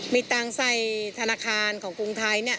มีตังค์ใส่ธนาคารของกรุงไทย